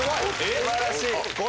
素晴らしい。